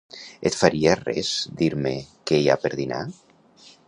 Et faria res dir-me què hi ha per dinar?